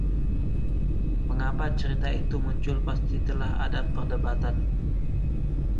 Mengapa cerita itu muncul pasti telah ada perdebatan.